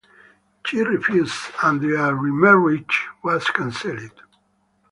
She refused, and their remarriage was canceled.